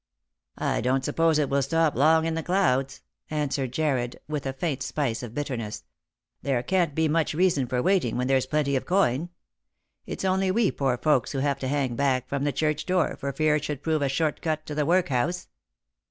" I don't suppose it will stop long in the clouds," answered Jarred, with a faint spice of bitterness. " There can't be much reason for waiting when there's plenty of coin. It's only we poor folks who have to hang back from the church door for fear it should prove a short cut to the workhouse.